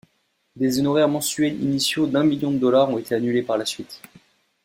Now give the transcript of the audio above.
Des honoraires mensuels initiaux d'un million de dollars ont été annulés par la suite.